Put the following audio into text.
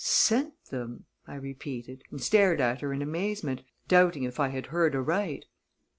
"Sent them?" I repeated, and stared at her in amazement, doubting if I had heard aright.